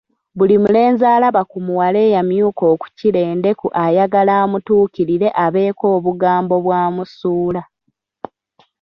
Buli mulenzi alaba ku muwala eyamyuka okukira endeku ayagala amutuukirire abeeko obugambo bwamusuula.